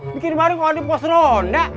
bikin warung kalau di pos ronda